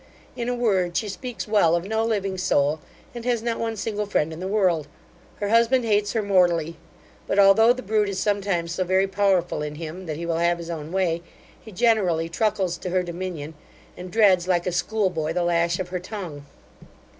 In a word, she speaks well of no living soul, and has not one single friend in the world. Her husband hates her mortally; but, although the brute is sometimes so very powerful in him that he will have his own way, he generally truckles to her dominion, and dreads, like a school boy, the lash of her tongue.